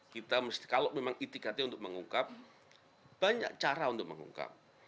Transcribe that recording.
kita mesti kalau memang itikati untuk mengungkap banyak cara untuk mengungkap